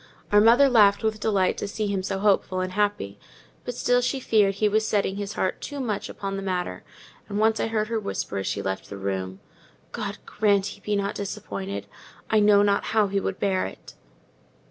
Our mother laughed with delight to see him so hopeful and happy: but still she feared he was setting his heart too much upon the matter; and once I heard her whisper as she left the room, "God grant he be not disappointed! I know not how he would bear it."